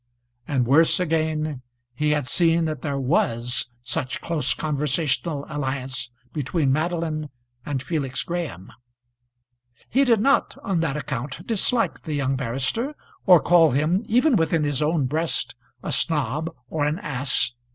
And, worse again, he had seen that there was such close conversational alliance between Madeline and Felix Graham. He did not on that account dislike the young barrister, or call him, even within his own breast, a snob or an ass.